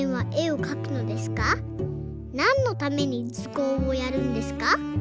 なんのためにずこうをやるんですか？」